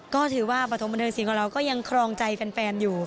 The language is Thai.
ก็ถือว่าปฐมบันเทิงศิลป์ของเราก็ยังครองใจแฟนอยู่